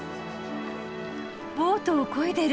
ボートをこいでる。